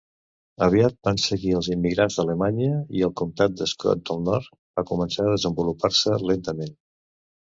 Aviat van seguir els immigrants d'Alemanya i el comtat de Scott del nord va començar a desenvolupar-se lentament.